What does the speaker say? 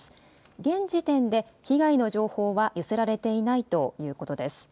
現時点で被害の情報は寄せられていないということです。